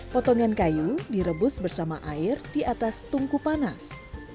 potongan kayu direbus bersama air di atas tungku panas